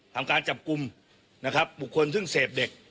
ทำการจับกลุ่มนะครับบุคคลซึ่งเสพเด็ก